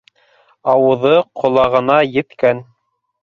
Ауыҙы ҡолағына еткән.